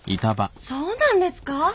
そうなんですか？